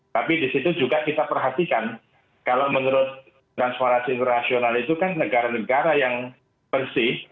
tapi di situ juga kita perhatikan kalau menurut transparansi internasional itu kan negara negara yang bersih